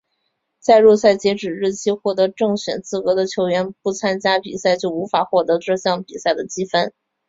在入赛截止日期获得正选资格的球员不参加比赛就无法获得这项比赛的积分。